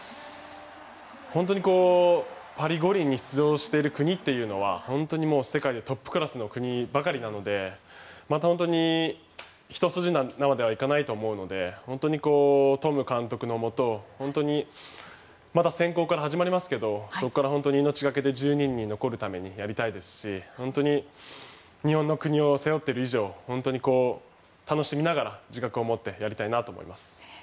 本当にパリ五輪に出場している国というのは本当に世界でトップクラスの国ばかりなので一筋縄ではいかないと思うのでトム監督のもとまた選考から始まりますがそこから本当に命懸けで１２人に残るために頑張りたいですし日本の国を背負っている以上楽しみながら自覚を持ってやりたいなと思います。